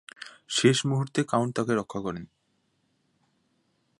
শেষ মুহুর্তে কাউন্ট তাকে রক্ষা করেন।